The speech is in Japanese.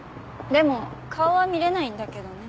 でも顔は見れないんだけどね。